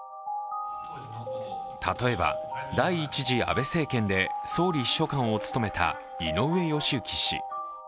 例えば、第１次安倍政権で総理秘書官を務めた井上義行氏。